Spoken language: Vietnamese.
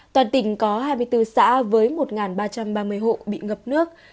toàn tỉnh có hai mươi bốn xã với một ba trăm ba mươi hộ bị ngập nước